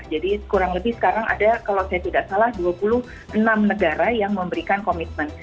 jadi kurang lebih sekarang ada kalau saya tidak salah dua puluh enam negara yang memberikan komitmen